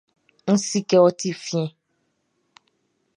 N si kɛ ɔ ti fiɛn.